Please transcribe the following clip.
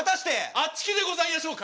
あちきでございやしょうか？